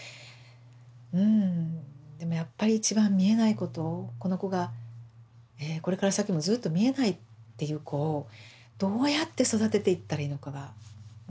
うんでもやっぱり一番見えないことこの子がこれから先もずっと見えないっていう子をどうやって育てていったらいいのかがもう自信がないから分かりませんって。